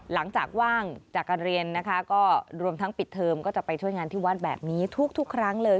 หลังจากว่างจากการเรียนนะคะก็รวมทั้งปิดเทอมก็จะไปช่วยงานที่วัดแบบนี้ทุกครั้งเลย